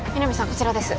こちらです